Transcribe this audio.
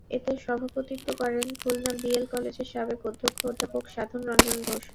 এতে সভাপতিত্ব করেন খুলনা বিএল কলেজের সাবেক অধ্যক্ষ অধ্যাপক সাধন রঞ্জন ঘোষ।